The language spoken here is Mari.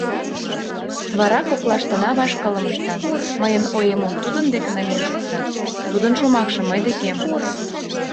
Вара коклаштына вашкылым ышта: мыйын оемым тудын деке намиен шукта, тудын шомакшым — мый декем.